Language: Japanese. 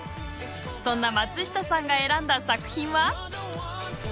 そんな松下さんが選んだ作品は？